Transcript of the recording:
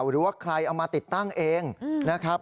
หรือว่าใครเอามาติดตั้งเองนะครับ